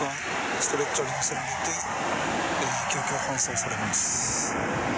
ストレッチャーに乗せられて救急搬送されます。